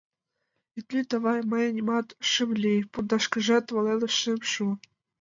Ит лӱд, авай, мый нимат шым лий, пундашкыжак волен шым шу.